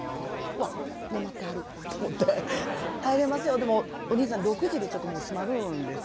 うわっなまってはると思って「入れますよでもお兄さん６時で閉まるんです」